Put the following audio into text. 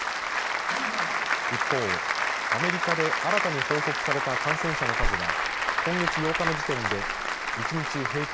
一方、アメリカで新たに報告された感染者の数は今月８日の時点で１日平均